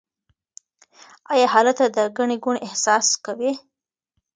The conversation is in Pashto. آیا هلته د ګڼې ګوڼې احساس کوئ؟